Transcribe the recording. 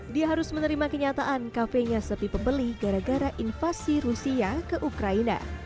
dia harus menerima kenyataan kafenya sepi pembeli gara gara invasi rusia ke ukraina